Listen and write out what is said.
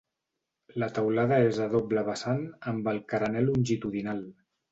La teulada és a doble vessant amb el carener longitudinal.